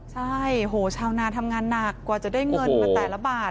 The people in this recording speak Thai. ใช่โหชาวนาทำงานหนักกว่าจะได้เงินมาแต่ละบาท